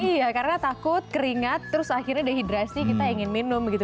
iya karena takut keringat terus akhirnya dehidrasi kita ingin minum gitu